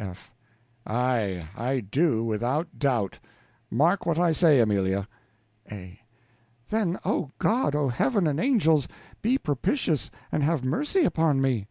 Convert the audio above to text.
F. Aye, I do, without doubt; mark what I say, Amelia. A. Then, O God, O Heaven, and Angels, be propitious, and have mercy upon me.